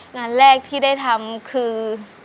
งานแรกที่ได้ทำคือ